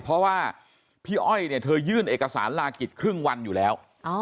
เพราะว่าพี่อ้อยเนี่ยเธอยื่นเอกสารลากิจครึ่งวันอยู่แล้ว